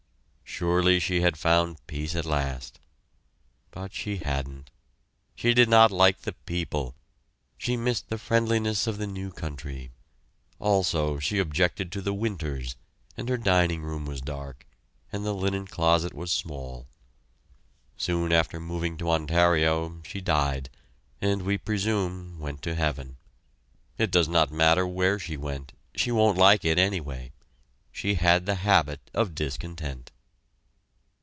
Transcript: Surely she had found peace at last but she hadn't. She did not like the people she missed the friendliness of the new country; also she objected to the winters, and her dining room was dark, and the linen closet was small. Soon after moving to Ontario she died, and we presume went to heaven. It does not matter where she went she won't like it, anyway. She had the habit of discontent.